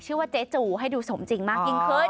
ชื่อว่าเจ๊จูให้ดูสมจริงมากยิ่งขึ้น